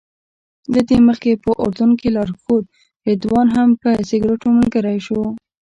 له دې مخکې په اردن کې لارښود رضوان هم په سګرټو ملګری شو.